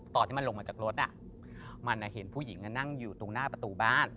ตอนที่มันลงมาจากรถมันเห็นผู้หญิงนั่งอยู่ตรงหน้าประตูบ้าน